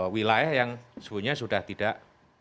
wilayah yang sebenarnya sudah tidak